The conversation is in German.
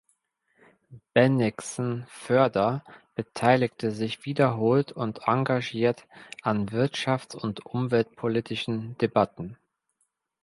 Bennigsen-Foerder beteiligte sich wiederholt und engagiert an wirtschafts- und umweltpolitischen Debatten.